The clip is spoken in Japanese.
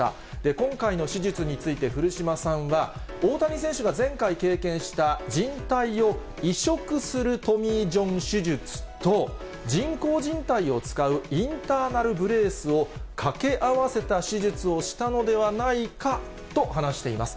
今回の手術について古島さんは、大谷選手が前回経験した、じん帯を移植するトミー・ジョン手術と、人工じん帯を使うインターナル・ブレースを掛け合わせた手術をしたのではないかと話しています。